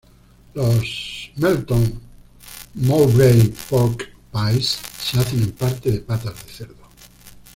Los "Melton Mowbray pork pies" se hacen en parte de patas de cerdo.